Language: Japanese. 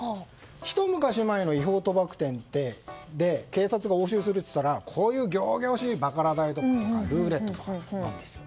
ひと昔前の違法賭博店で警察が押収するといったらこういう仰々しいバカラ台とかルーレット台とかなんですよ。